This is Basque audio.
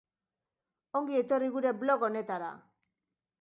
Ongi etorri gure blog honetara.